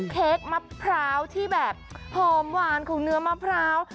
เค้กมะพร้าวที่แบบหอมหวานของเนื้อมะพร้าว